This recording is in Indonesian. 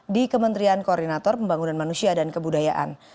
di kementerian koordinator pembangunan manusia dan kebudayaan